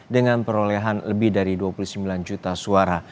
dengan perolehan lebih dari dua puluh sembilan juta suara